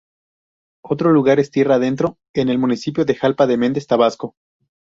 Otro lugar es tierra adentro, en el municipio de Jalpa de Mendez, Tabasco.